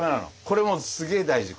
これもうすげえ大事。